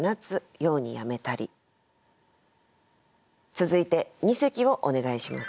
続いて二席をお願いします。